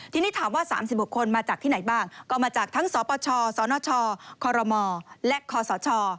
ทีนี้ถามว่า๓๖คนมาจากที่ไหนบ้างก็มาจากทั้งสปชสนชคมและคศ